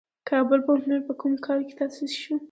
کابل پوهنتون په کوم کال تاسیس شو؟